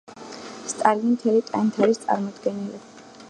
სტალინი მთელი ტანით არის წარმოდგენილი.